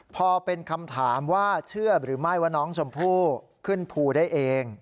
พอเป็นคำถามว่าเชื่อหรือไม่ว่าน้องชมพู่ขึ้นภูได้เอง